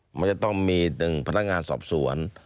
มันจะต้องมี๑พนักงานสอบสวน